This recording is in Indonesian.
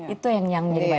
itu yang jadi banyak